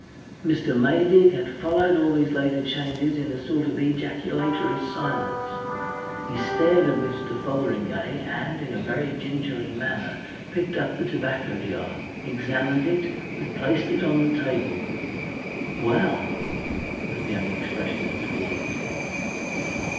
Mr. Maydig had followed all these later changes in a sort of ejaculatory silence. He stared at Mr. Fotheringay and in a very gingerly manner picked up the tobacco jar, examined it, replaced it on the table. "Well!" was the only expression of his feelings.